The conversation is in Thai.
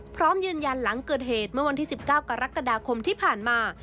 พร้อมยืนยันหลังเกิดเหตุเมื่อวันที่๑๙กรกฎาคมที่ผ่านมา